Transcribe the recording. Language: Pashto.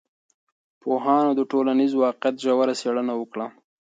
پوهانو د ټولنیز واقعیت ژوره څېړنه وکړه.